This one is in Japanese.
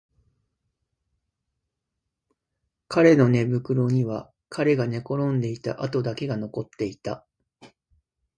彼の寝袋には彼が寝転んでいた跡だけが残っていた